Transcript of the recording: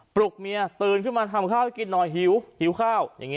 ปลุกเมียตื่นเข้ามาทำข้าวกินหน่อยหิวข้าว